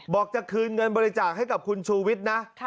จะคืนเงินบริจาคให้กับคุณชูวิทย์นะ